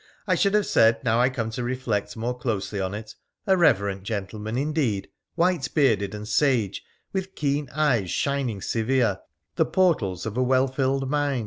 I should have said, now I come to reflect more closely on it, a reverent gentleman, indeed, white bearded and sage, with keen eyes shining severe, the portals of a well filled mind.